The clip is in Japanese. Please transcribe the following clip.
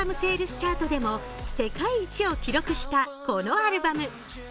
チャートでも世界１位を記録したこのアルバム。